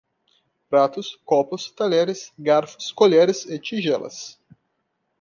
Pratos, copos, talheres, garfos, colheres e tigelas